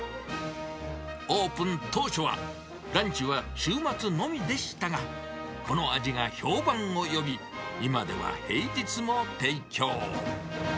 オープン当初は、ランチは週末のみでしたが、この味が評判を呼び、今では平日も提供。